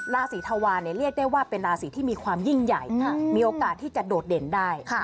ราศีธวาเนี่ยเรียกได้ว่าเป็นราศีที่มีความยิ่งใหญ่มีโอกาสที่จะโดดเด่นได้